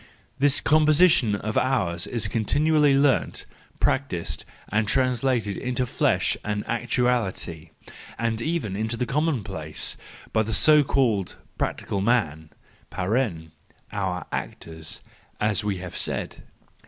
This composition of ours is continually learnt, practised, and translated into flesh and actuality, and even into the commonplace, by the so called practical men (our actors, as we have said).